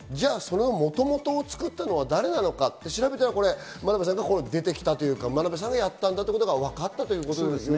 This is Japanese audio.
もともとを作ったのは誰なのかと調べたら、真鍋さんが出てきたというか、やったんだということが分かったということですか？